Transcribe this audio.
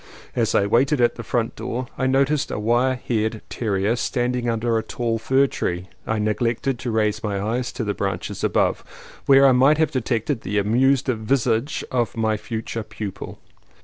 As I waited at the front door I noticed a wire haired terrier standing under a tall fir tree; I neglected to raise my eyes to the branches above, where I might have de tected the amused visage of my future pupil.